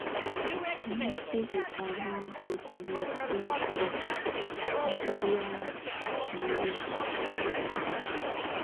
Many species are known to damage leaves of "Vachellia nilotica".